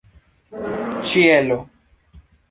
ĉielo